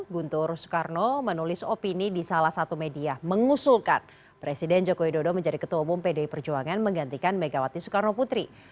guntur soekarno menulis opini di salah satu media mengusulkan presiden joko widodo menjadi ketua umum pdi perjuangan menggantikan megawati soekarno putri